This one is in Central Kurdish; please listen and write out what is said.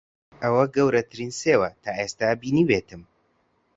ئەوە گەورەترین سێوە تا ئێستا بینیبێتم.